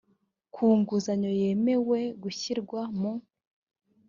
ku nguzanyo yemewe gushyirwa mu